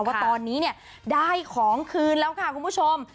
ว่าตอนนี้เนี่ยได้ของคืนแล้วค่ะคุณผู้ชม